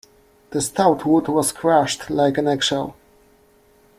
The stout wood was crushed like an eggshell.